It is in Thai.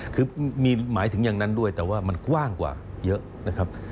คือมีหมายถึงอย่างนั้นด้วยแต่ว่ามันกว้างกว่าเยอะนะครับ